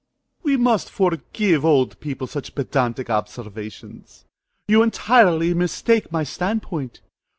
MR. FORTE. We must forgive old people such pedantic observations. You entirely mistake my stand point.